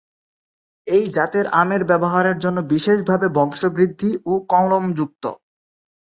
এই জাতের আমের ব্যবহারের জন্য বিশেষভাবে বংশবৃদ্ধি এবং কলমযুক্ত।